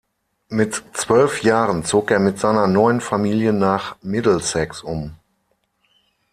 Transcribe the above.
Mit zwölf Jahren zog er mit seiner neuen Familie nach Middlesex um.